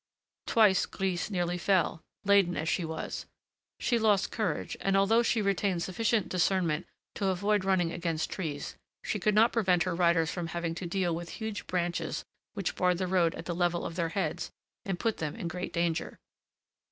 Twice Grise nearly fell; laden as she was, she lost courage, and although she retained sufficient discernment to avoid running against trees, she could not prevent her riders from having to deal with huge branches which barred the road at the level of their heads and put them in great danger.